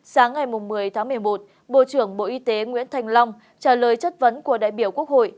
sáng ngày một mươi tháng một mươi một bộ trưởng bộ y tế nguyễn thành long trả lời chất vấn của đại biểu quốc hội